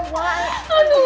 ya udah beneran ya om